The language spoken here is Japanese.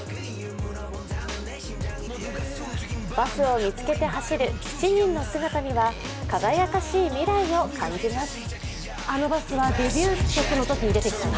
バスを見つけて走る７人の姿には輝かしい未来を感じます。